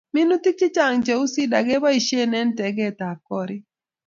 minutik chechang cheuu cedar keboishen en tekekeb korik